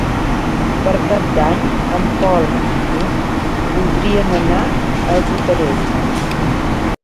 Per Cap d'Any en Pol i n'Hug voldrien anar a Botarell.